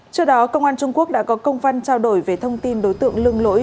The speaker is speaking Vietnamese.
trước đó công an trung quốc đã có công văn trao đổi về thông tin đối tượng lưng lỗi